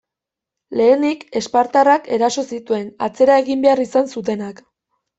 Lehenik, espartarrak eraso zituen, atzera egin behar izan zutenak.